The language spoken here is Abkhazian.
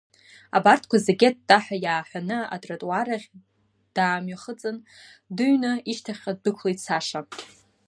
Абарҭқәа зегьы аттаҳәа иааҳәаны, атротуарахь даамҩахыҵын, дыҩны ишьҭахьҟа ддәықәлеит Саша.